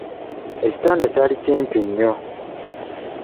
Ekitanda kyali kimpi nnyo.